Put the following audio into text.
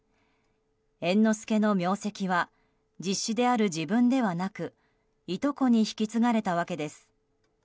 猿之助の名跡は実子である自分ではなくいとこに引き継がれたわけです。